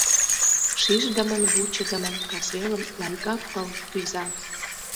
Шиждымын-вучыдымын касвелым лайга пыл кӱза.